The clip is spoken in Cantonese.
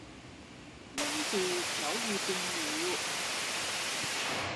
音調早已變了